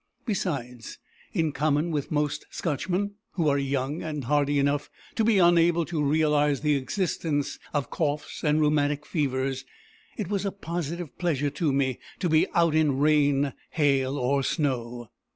Besides, in common with most Scotchmen who are young and hardy enough to be unable to realise the existence of coughs and rheumatic fevers, it was a positive pleasure to me to be out in rain, hail, or snow.